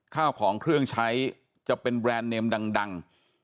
ข้าวของเครื่องใช้จะเป็นแบรนด์เนมดัง